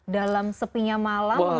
dalam sepinya malam mengandung sama allah